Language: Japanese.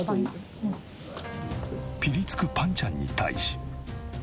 ピリつくぱんちゃんに対し。